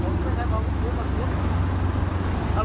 มึงตำรวจ